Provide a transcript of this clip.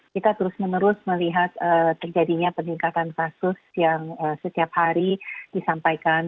kita terus menerus melihat terjadinya peningkatan kasus yang setiap hari disampaikan